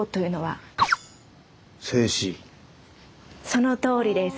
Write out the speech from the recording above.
そのとおりです。